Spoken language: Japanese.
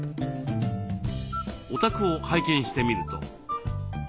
お宅を拝見してみると。